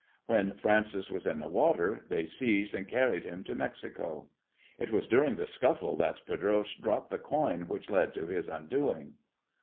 When Francis was in the water, they seized and carried him to Mexico. It was during the scuffle that Pedroche dropped the coin which led to his undoing."